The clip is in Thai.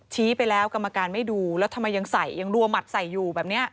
ไปแล้วกรรมการไม่ดูแล้วทำไมยังใส่ยังรัวหมัดใส่อยู่แบบนี้